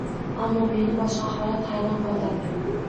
Ammo meni boshqa holat hayron qoldirdi